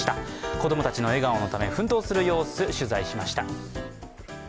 子供たちの笑顔のため奮闘する様子、取材しました。